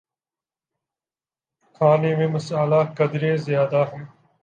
کھانے میں مصالحہ قدرے زیادہ ہے